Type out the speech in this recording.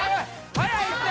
速いって！